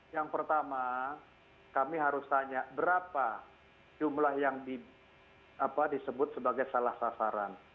yang pertama kami harus tanya berapa jumlah yang disebut sebagai salah sasaran